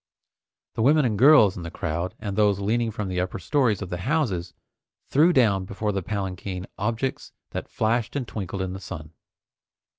The women and girls in the crowd, and those leaning from the upper stories of the houses, threw down before the palanquin objects that flashed and twinkled in the sun.